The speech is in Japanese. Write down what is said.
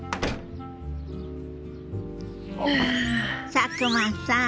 佐久間さん。